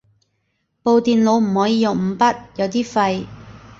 部電腦唔可以用五筆，有啲廢